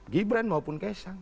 gibran maupun kesang